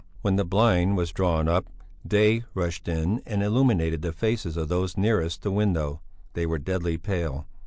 When the blind was drawn up, day rushed in and illuminated the faces of those nearest the window; they were deadly pale.